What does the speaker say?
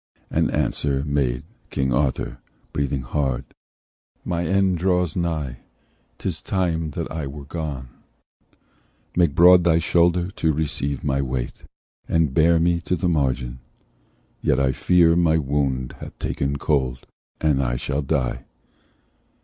And answer made King Arthur, breathing hard: "My end draws nigh; 'tis time that I were gone. Make broad thy shoulders to receive my weight, And bear me to the margin; yet I fear My wound hath taken cold, and I shall die."